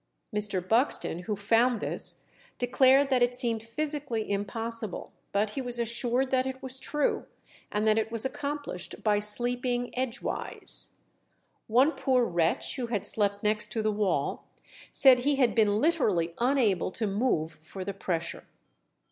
Mr. Buxton, who found this, declared that it seemed physically impossible, but he was assured that it was true, and that it was accomplished by "sleeping edgeways." One poor wretch, who had slept next the wall, said he had been literally unable to move for the pressure.